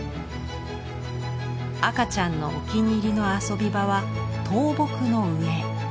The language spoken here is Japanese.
赤ちゃんのお気に入りの遊び場は倒木の上。